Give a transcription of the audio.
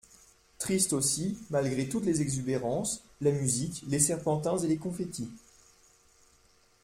Triste aussi, malgré toutes les exubérances, la musique, les serpentins et les confetti.